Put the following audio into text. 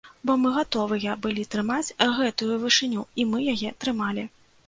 Бо мы гатовыя былі трымаць гэтую вышыню, і мы яе трымалі.